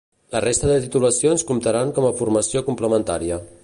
La resta de titulacions comptaran com a formació complementària.